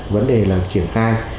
vấn đề là triển khai